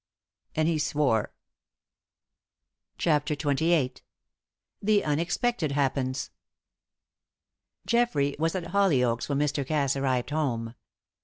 And he swore. CHAPTER XXVIII. THE UNEXPECTED HAPPENS. Geoffrey was at Hollyoaks when Mr. Cass arrived home.